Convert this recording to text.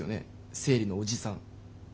生理のおじさん。